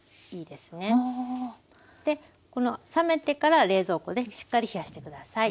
で冷めてから冷蔵庫でしっかり冷やして下さい。